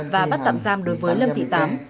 và bắt tạm giam đối với lâm thị tám